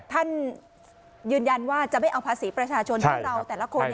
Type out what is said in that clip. ท่านยืนยันว่าจะไม่เอาภาษีประชาชนที่เราแต่ละคน